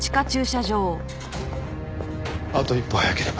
あと一歩早ければ。